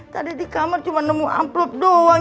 tadi di kamar cuma nemu amplop doang